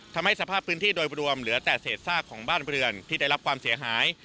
ทำให้สภาพพื้นที่โดยรวมเหลือแต่เศษซากของบ้านเรือนที่ได้รับความเสียหาย